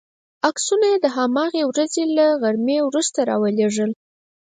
عکسونه یې د هماغې ورځې له غرمې وروسته را ولېږل.